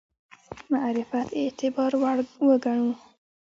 معرفت اعتبار وړ وګڼو.